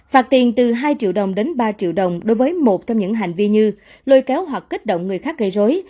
phạt tiền từ hai triệu đồng đến ba triệu đồng đối với một trong những hành vi như lôi kéo hoặc kích động người khác gây dối